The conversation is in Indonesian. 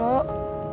bukan urusan lo